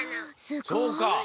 そうか。